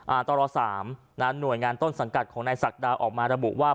ตรสามนะหน่วยงานต้นสังกัดของนายศักดาออกมาระบุว่า